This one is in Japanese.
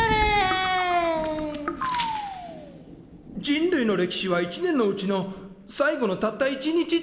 人類の歴史は１年のうちの最後のたった１日ってこと！？